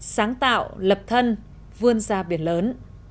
sáng tạo lập thân vươn ra biển lớn